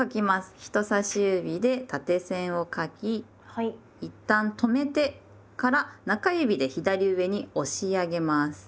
人さし指で縦線を書きいったん止めてから中指で左上に押し上げます。